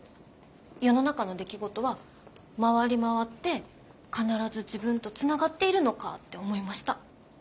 世の中の出来事は回り回って必ず自分とつながっているのかって思いました。